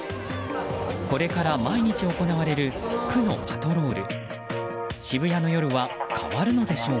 これから毎日行われる区のパトロール。